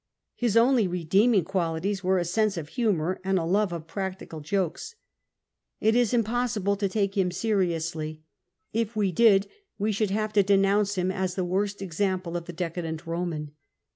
His only redeeming qualities were a sense of humour and a love of practical jokes. It is impossible to take him seriously ; if we did, we should have to denounce him as the worst example of the decadent Roman.